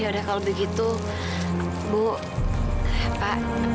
ya udah kalau begitu bu pak